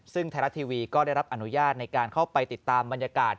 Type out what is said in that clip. ซึ่งไทยรัฐทีวีก็ได้รับอนุญาตในการเข้าไปติดตามบรรยากาศ